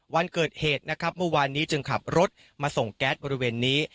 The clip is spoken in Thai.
วันเกิดเหตุนะครับเมื่อวานนี้จึงขับรถมาส่งแก๊สบริเวณนี้